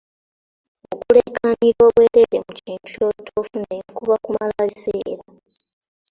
Okuleekaanira obwereere mu kintu ky’otoofunemu kuba kumala biseera.